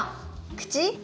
口？